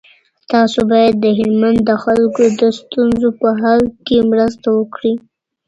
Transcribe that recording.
تاسو باید د هلمند د خلکو د ستونزو په حل کي مرسته وکړئ.